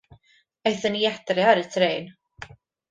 Aethon ni i adra ar y trên.